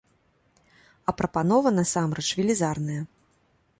А прапанова насамрэч велізарная.